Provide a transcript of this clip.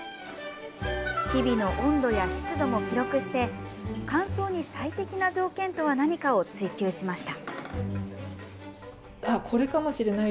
日々の温度や湿度も記録して乾燥に最適な条件とは何かを追求しました。